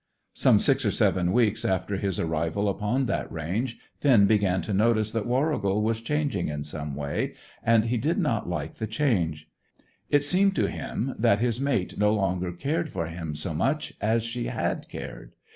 Some six or seven weeks after his arrival upon that range, Finn began to notice that Warrigal was changing in some way, and he did not like the change. It seemed to him that his mate no longer cared for him so much as she had cared.